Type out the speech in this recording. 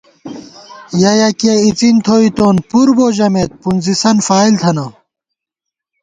یَہ یَکِیَہ اِڅِن تھوئیتون، پُربو ژَمېت پُنزِسن فائل تھنہ